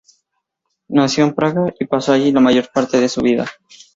Nació en Praga y pasó allí la mayor parte de su vida.